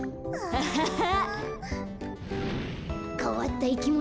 アハハ。